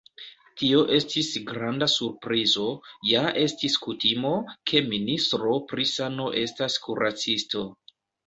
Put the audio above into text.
Tio estis granda surprizo, ja estis kutimo, ke ministro pri sano estas kuracisto.